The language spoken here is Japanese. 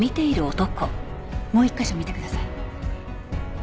もう１カ所見てください。